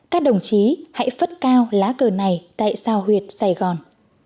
các đồng chí hãy phất cao lá cờ này tại sao huyện sài gòn